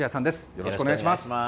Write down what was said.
よろしくお願いします。